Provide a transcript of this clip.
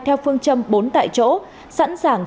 theo phương châm bốn tại chỗ sẵn sàng